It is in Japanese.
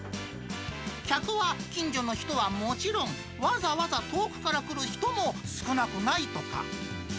客は近所の人はもちろん、わざわざ遠くから来る人も少なくないとか。